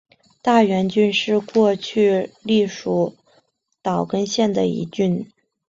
大原郡是过去隶属岛根县的一郡。